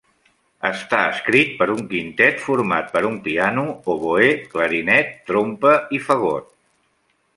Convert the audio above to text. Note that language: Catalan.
Està escrit per un quintet format per un piano, oboè, clarinet, trompa i fagot.